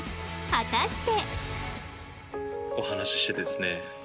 果たして